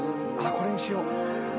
これにしよう。